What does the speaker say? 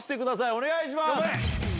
お願いします！